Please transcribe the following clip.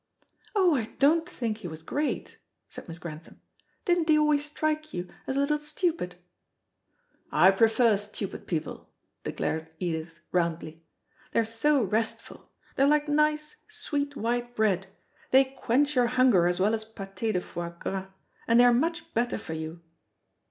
"Oh, I don't think he was great," said Miss Grantham. "Didn't he always strike you as a little stupid?" "I prefer stupid people," declared Edith roundly. "They are so restful. They're like nice; sweet, white bread; they quench your hunger as well as pâté de foie gras, and they are much better for you."